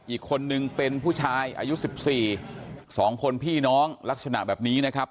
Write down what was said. อีกคนนึงเป็นผู้ชายอายุ๑๔๒คนพี่น้องลักษณะแบบนี้นะครับ